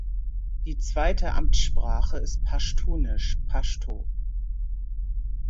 Die zweite Amtssprache ist Paschtunisch (Paschto).